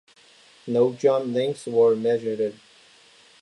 No jump lengths were measured.